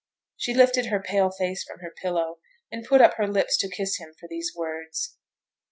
She lifted her pale face from her pillow, and put up her lips to kiss him for these words.